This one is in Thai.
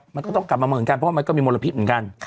มันก็ต้องกลับมาเหมือนกันเพราะว่ามันก็มีมลพิษเหมือนกัน